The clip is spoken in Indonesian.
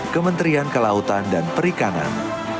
kementerian kelautan dan perikanan